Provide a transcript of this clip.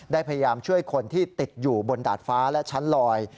พยายามช่วยคนที่ติดอยู่บนดาดฟ้าและชั้นลอย